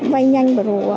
vay nhanh và rủ ạ